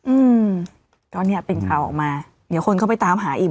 อืมก็เนี้ยเป็นข่าวออกมาเดี๋ยวคนเข้าไปตามหาอีก